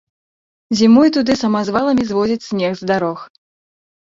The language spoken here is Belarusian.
Зімой туды самазваламі звозяць снег з дарог.